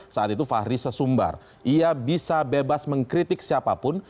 saat itu fahri sesumbar ia bisa bebas mengkritik siapapun